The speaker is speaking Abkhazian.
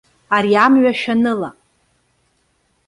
Ари амҩа шәаныла.